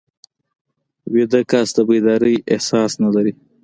ویده کس د بیدارۍ احساس نه لري